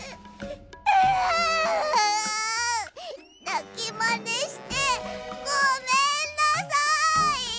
なきまねしてごめんなさい！